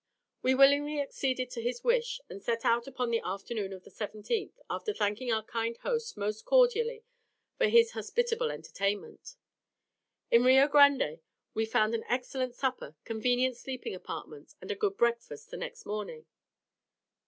We willingly acceded to his wish, and set out upon the afternoon of the 17th, after thanking our kind host most cordially for his hospitable entertainment. In Rio Grande we found an excellent supper, convenient sleeping apartments, and a good breakfast the next morning.